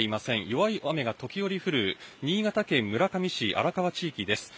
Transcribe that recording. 弱い雨が時折降る新潟県村上市で荒川地域です。